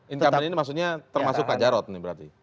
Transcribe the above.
incomptant ini maksudnya termasuk kak jarod ini berarti